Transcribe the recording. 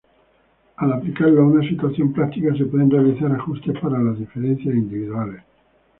Al aplicarlo a una situación práctica se pueden realizar ajustes para las diferencias individuales.